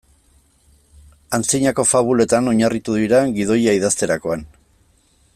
Antzinako fabuletan oinarritu dira gidoia idazterakoan.